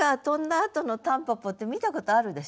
あとの蒲公英って見たことあるでしょ？